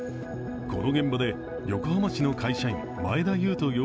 この現場で横浜市の会社員前田悠翔